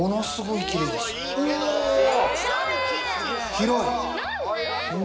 広い！